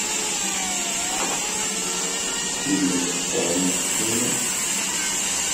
Yella yeqqur yiɣef-inu.